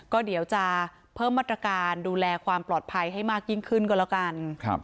ก็เดี๋ยวจะเพิ่มมาตรการดูแลความปลอดภัยให้มากยิ่งขึ้นก็แล้วกัน